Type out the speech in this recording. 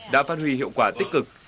đã phát huy hiệu quả tích cực